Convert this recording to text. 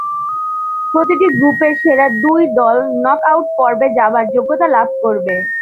প্রতিটি গ্রুপের সেরা দুই দল নকআউট পর্বে যাবার যোগ্যতা লাভ করবে।